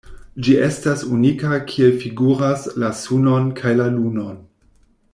Ĝi estas unika kiel figuras la Sunon kaj la Lunon.